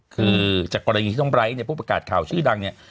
คือจากกรณีที่น้องไบร์สในพวกประกาศข่าวชื่อดังเนี่ย